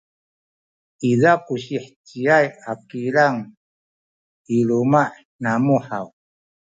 izaw ku siheciay a kilang i luma’ namu haw?